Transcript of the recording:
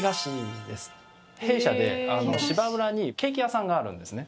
弊社で芝浦にケーキ屋さんがあるんですね。